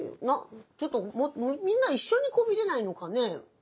ちょっとみんな一緒にこう見れないのかね？